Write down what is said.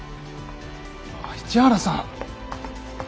市原さん。